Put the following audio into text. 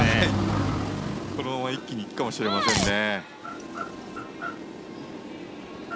このまま一気に行くかもしれませんね。